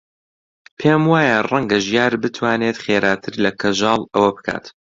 پێم وایە ڕەنگە ژیار بتوانێت خێراتر لە کەژاڵ ئەوە بکات.